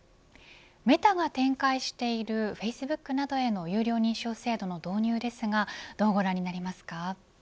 メタが展開しているフェイスブックなどへの有料認証制度の導入ですがどうご覧になりますか。